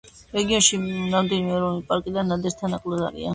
რეგიონში რამდენიმე ეროვნული პარკი და ნადირთა ნაკრძალია.